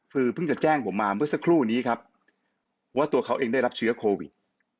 คือเพิ่งจะแจ้งผมมาเมื่อสักครู่นี้ครับว่าตัวเขาเองได้รับเชื้อโควิด